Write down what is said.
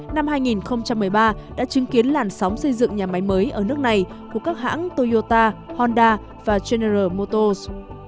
năm hai nghìn một mươi ba đã chứng kiến làn sóng xây dựng nhà máy mới ở nước này của các hãng toyota honda và general motors